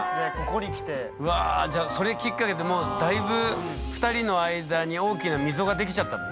じゃあそれきっかけでだいぶ２人の間に大きな溝ができちゃったの？